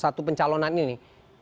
satu pencalonan ini